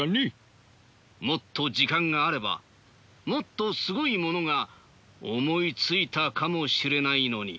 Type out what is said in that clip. もっと時間があればもっとすごいものが思いついたかもしれないのに。